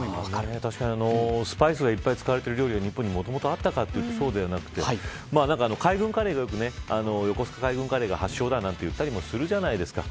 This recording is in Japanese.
確かにスパイスがいっぱい使われている料理が日本にあったかというとそうではなくて横須賀海軍カレーが発祥だなんて言ったりもするじゃないですか。